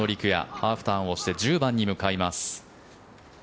ハーフターンをして１０番に向かいます。